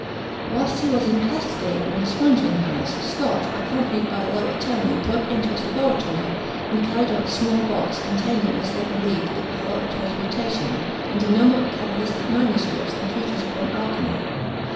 While he was in custody in a sponging house, Scot, accompanied by a low attorney, broke into his laboratory, and carried off a small box, containing, as they believed, the powder of transmutation, and a number of cabalistic manuscripts and treatises upon alchymy.